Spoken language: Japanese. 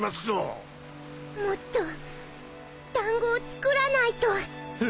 もっとだんごを作らないと。